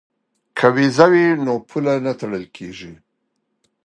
که ویزه وي نو پوله نه تړل کیږي.